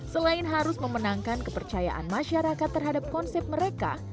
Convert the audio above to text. selain harus memenangkan kepercayaan masyarakat terhadap konsep mereka